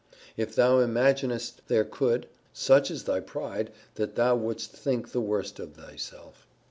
If thou imaginest there could, such is thy pride, that thou wouldst think the worse of thyself.